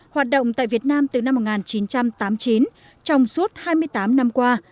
hoạt động tại việt nam từ năm một nghìn chín trăm tám mươi chín trong suốt hai mươi tám năm qua